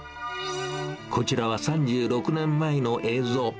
こちらは３６年前の映像。